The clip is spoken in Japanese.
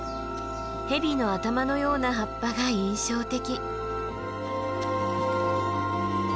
ヘビの頭のような葉っぱが印象的。